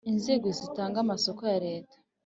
Inzego zitanga amasoko ya leta